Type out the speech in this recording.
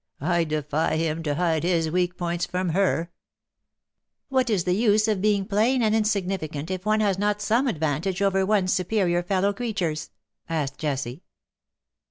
I defy him to hide his weak points from her/^ ' What is the use of being plain and insignificant if one has not some advantage over one's superior fellow creatures T' asked Jessie.